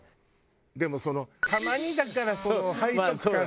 でもそのたまにだから背徳感で。